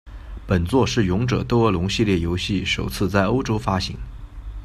本作是勇者斗恶龙系列游戏首次在欧洲发行。